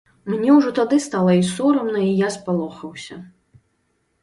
Мне ўжо тады стала і сорамна, і я спалохаўся.